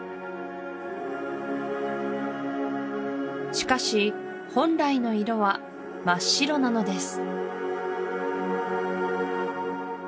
しかし本来の色は真っ白なのです